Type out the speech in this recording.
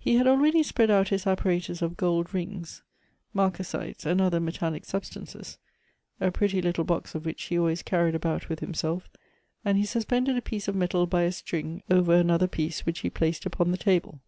He had already spread out his apparatus of gold rings, markasites, and other metallic substances, a pretty little box of which he always carried about with himself: and he suspended a piece of metal by a string over .another piece, which he placed upon the table.